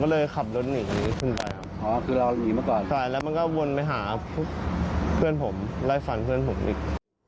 ไล่ฟันเพื่อนผมอีก